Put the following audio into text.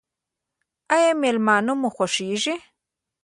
ایا میلمانه مو خوښیږي؟